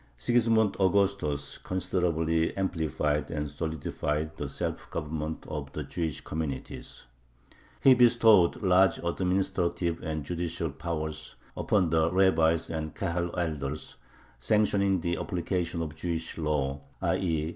Sigismund Augustus considerably amplified and solidified the self government of the Jewish communities. He bestowed large administrative and judicial powers upon the rabbis and Kahal elders, sanctioning the application of "Jewish law" (_i. e.